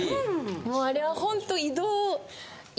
もうあれはホント。